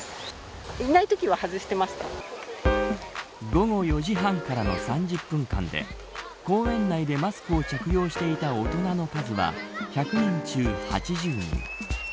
午後４時半からの３０分間で公園内でマスクを着用していた大人の数は１００人中８０人。